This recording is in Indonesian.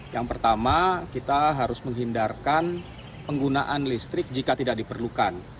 yang pertama kita harus menghindarkan penggunaan listrik jika tidak diperlukan